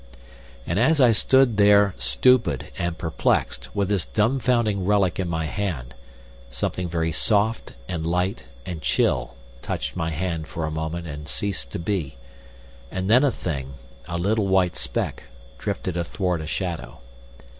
And as I stood there stupid, and perplexed, with this dumbfounding relic in my hand, something very soft and light and chill touched my hand for a moment and ceased to be, and then a thing, a little white speck, drifted athwart a shadow.